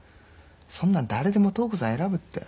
そんなん誰でも塔子さん選ぶって。